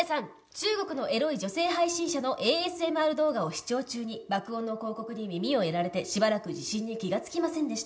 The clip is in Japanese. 中国のエロい女性配信者のＡＳＭＲ動画を視聴中に爆音の広告に耳をやられてしばらく地震に気がつきませんでした」